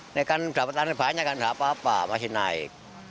ini kan dapatan banyak kan apa apa masih naik